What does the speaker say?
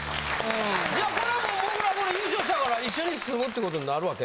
じゃあこれはもうもぐら優勝したから一緒に住むってことになるわけ？